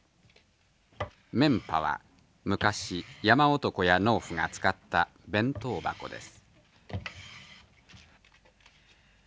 メンパは昔山男や農夫が使った弁当箱です。